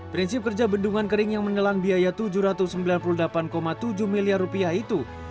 prinsip kerja bendungan kering yang menelan biaya tujuh ratus sembilan puluh delapan tujuh miliar rupiah itu